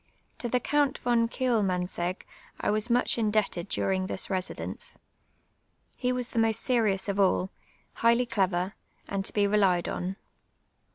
'Jo the Count von Kiclmaiuiseij:;ji; I was much* indebted dining this residince. He was the most serious of all^ highly clever, and to be relied on.